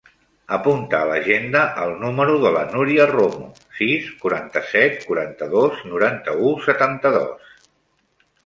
Apunta a l'agenda el número de la Núria Romo: sis, quaranta-set, quaranta-dos, noranta-u, setanta-dos.